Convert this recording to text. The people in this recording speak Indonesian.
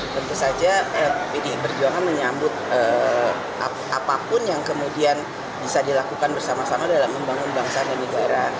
tentu saja pdi perjuangan menyambut apapun yang kemudian bisa dilakukan bersama sama dalam membangun bangsa dan negara